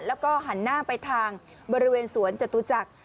แล้วก็หันหน้าไปทางบริเวณสวนจตุจักร